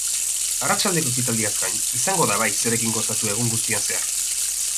Arratsaldeko ekitaldiaz gain, izango da bai zerekin gozatu egun guztian zehar.